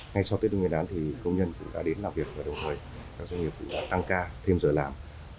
ngay sau tết nguyên đán thì công nhân cũng đã đến làm việc và đồng thời các doanh nghiệp cũng đã tăng ca thêm giờ làm